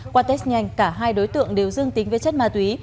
qua test nhanh cả hai đối tượng đều dương tính với chất ma túy